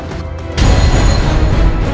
lu jangan banyak bacot